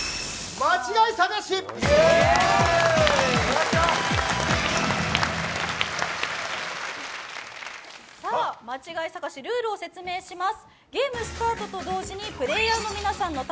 間違い探しルールを説明します。